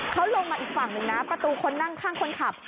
เขาลงมาอีกฝั่งหนึ่งนะประตูคนนั่งข้างคนขับ